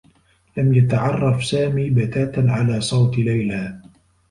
لم يتعرّف سامي بتاتا على صوت ليلى.